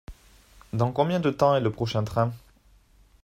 Dans combien de temps est le prochain train ?